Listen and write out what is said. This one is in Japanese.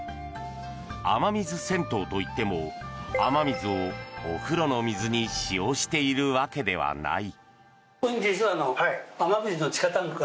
雨水銭湯といっても雨水を、お風呂の水に使用しているわけではない。